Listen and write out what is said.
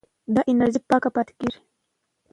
دا انرژي پاکه پاتې کېږي.